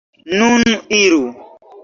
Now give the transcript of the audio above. Nun iru!